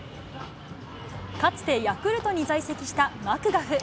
かつてヤクルトに在籍したマクガフ。